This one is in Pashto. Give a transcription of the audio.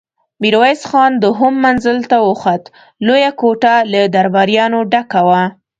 ميرويس خان دوهم منزل ته وخوت، لويه کوټه له درباريانو ډکه وه.